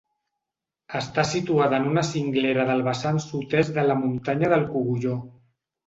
Està situada en una cinglera del vessant sud-est de la muntanya del Cogulló.